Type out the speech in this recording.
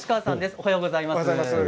おはようございます。